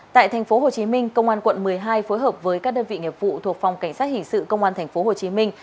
tại thành phố hồ chí minh công an quận một mươi hai phối hợp với các đơn vị nghiệp vụ thuộc phòng cảnh sát hình sự công an thành phố hồ chí minh